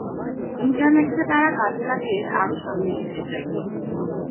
ইন্টারনেটকে তাঁরা কাজে লাগিয়ে আরও সামনে এগিয়ে যাবেন।